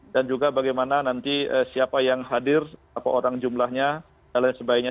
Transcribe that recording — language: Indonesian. dan juga bagaimana nanti siapa yang hadir atau orang jumlahnya dan lain sebaiknya